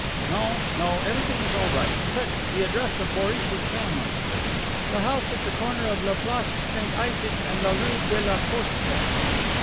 "No, no; everything is all right. Quick, the address of Boris's family." "The house at the corner of La Place St. Isaac and la rue de la Poste."